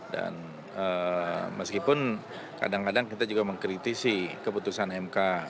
dan meskipun kadang kadang kita juga mengkritisi keputusan mk